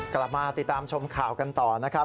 กลับมาติดตามชมข่าวกันต่อนะครับ